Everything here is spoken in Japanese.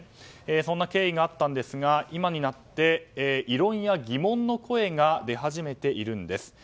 そんな経緯があったんですが今になって異論や疑問の声が出始めているんです。